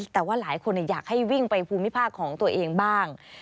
แต่ว่าหลายคนอยากให้วิ่งไปภูมิภาคของตัวเองบ้าง